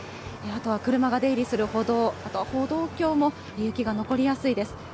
あとは車が出入りする歩道、歩道橋も雪が残りやすいです。